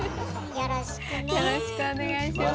よろしくお願いします。